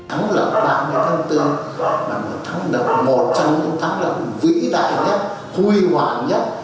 tháng bốn là một trong những thắng động vĩ đại nhất huy hoàng nhất